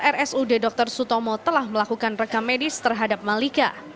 rsud dr sutomo telah melakukan rekam medis terhadap malika